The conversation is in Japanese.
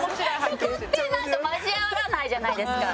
そこってなんか交わらないじゃないですか。